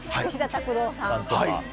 吉田拓郎さんとか。